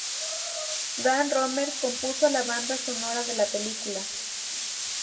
Dan Romer compuso la banda sonora de la película.